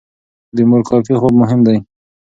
د مور کافي خوب مهم دی.